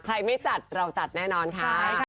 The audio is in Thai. ก็รอติดตามกันนะครับ